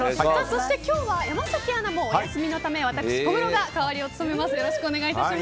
そして今日は山崎アナもお休みのため私、小室が代わりを務めます。